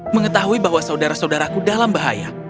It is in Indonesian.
mengetahui bahwa saudara saudaraku dalam bahaya